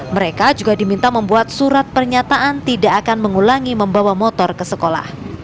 mereka juga diminta membuat surat pernyataan tidak akan mengulangi membawa motor ke sekolah